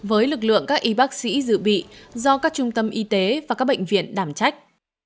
với lực lượng các y bác sĩ dự bị do các trung tâm y tế và các bệnh viện đảm trách